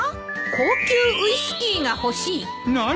「高級ウィスキーが欲しい」何！？